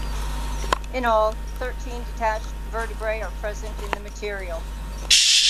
In all, thirteen detached vertebrae are present in the material.